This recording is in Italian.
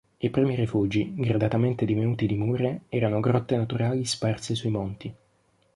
I primi rifugi, gradatamente divenuti dimore, erano grotte naturali sparse sui monti.